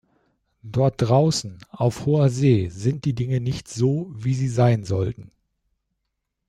Dort draußen, auf hoher See, sind die Dinge nicht so, wie sie sein sollten.